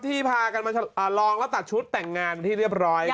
พากันมาลองแล้วตัดชุดแต่งงานที่เรียบร้อย